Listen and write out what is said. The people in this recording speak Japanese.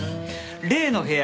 例の部屋